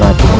otak di luar